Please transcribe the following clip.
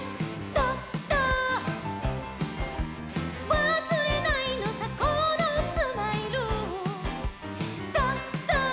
「わすれないのさこのスマイル」「ドド」